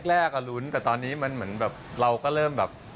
แรกอ่ะลุ้นแต่ตอนนี้มันเหมือนแบบเราก็เริ่มแบบ